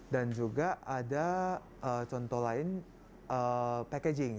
dan juga ada contoh lain packaging